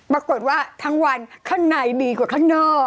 กระทั่งวันข้างในดีกว่าข้างนอก